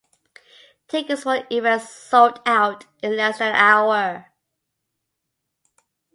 Tickets for the event sold out in less than an hour.